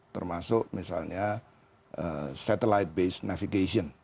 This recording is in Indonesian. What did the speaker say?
termasuk misalnya satelit based navigation